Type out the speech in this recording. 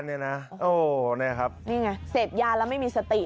เสพยางแล้วไม่มีสติ